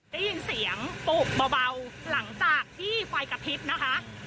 ได้ยินเสียงปุ๊บเบาหลังจากที่ไฟกระพริบนะคะ